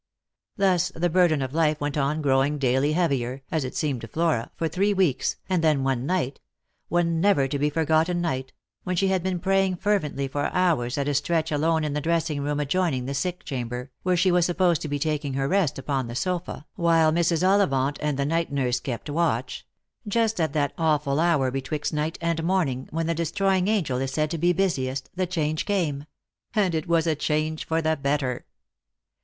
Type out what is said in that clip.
Thus the burden of life went on growing daily heavier, as it seemed to Flora, for three weeks, and then one night — one never to be forgotten night — when she had been praying fervently for hours at a stretch alone in the dressing room adjoining the sick chamber, where she was supposed to be taking her rest upon the sofa, while Mrs. Ollivant and the night nurse kept watch — just at that awful hour betwixt night and morning, when the de stroying angel is said to be busiest, the change came ; and it was a change for the better.